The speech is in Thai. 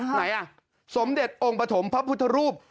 ไหนอ่ะสมเด็จองค์ปฐมพระพุทธรูป